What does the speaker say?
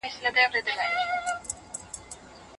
د سیاست په اړه ډېرې څېړنې سوې وې.